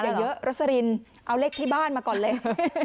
เยอะรสลินเอาเลขที่บ้านมาก่อนเลย